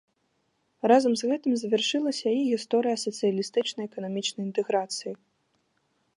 Разам з гэтым завяршылася і гісторыя сацыялістычнай эканамічнай інтэграцыі.